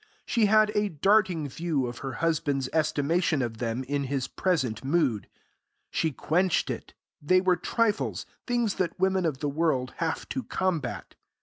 She had a darting view of her husband's estimation of them in his present mood. She quenched it; they were trifles, things that women of the world have to combat.